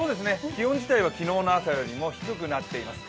気温自体は昨日の朝よりも低くなっています。